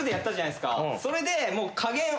それで。